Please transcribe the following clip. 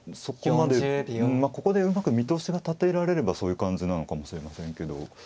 そこまでまあここでうまく見通しが立てられればそういう感じなのかもしれませんけど。